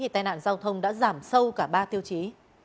tai nạn giao thông đã giảm sâu cả ba tiêu chí